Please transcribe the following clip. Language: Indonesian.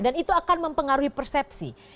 dan itu akan mempengaruhi persepsi